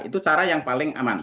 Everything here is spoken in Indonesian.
itu cara yang paling aman